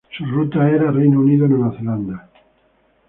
Su ruta era Reino Unido-Nueva Zelanda.